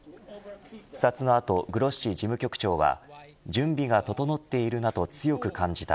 視察の後、グロッシ事務局長は準備が整っているなと強く感じた。